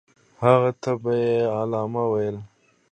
هغه ته به یې علامه ویل.